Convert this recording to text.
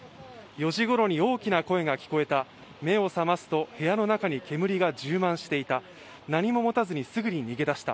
４時ごろに大きな声が聞こえた、目を覚ますと部屋の中に煙が充満していた、何も持たずにすぐに逃げ出した。